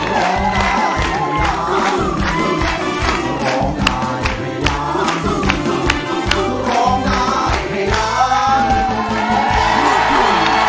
ร้องได้ร้องได้ร้องได้ร้องได้ร้องได้